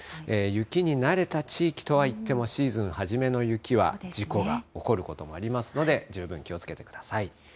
雪に慣れた地域とはいってもシーズン初めの雪は事故が起こることもありますので、十分気をつけてください。